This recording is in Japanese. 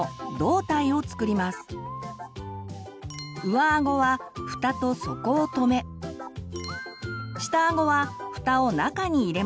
上あごはフタと底を留め下あごはフタを中に入れます。